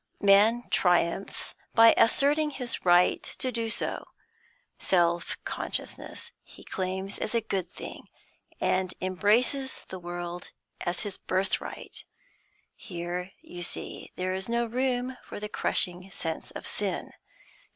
Man triumphs by asserting his right to do so. Self consciousness he claims as a good thing, and embraces the world as his birthright. Here, you see, there is no room for the crushing sense of sin.